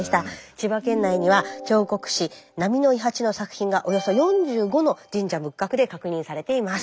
千葉県内には彫刻師波の伊八の作品がおよそ４５の神社仏閣で確認されています。